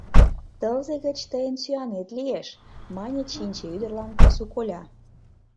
— Тылзе гыч тыйын сӱанет лиеш! — мане Чинче ӱдырлан пасу коля.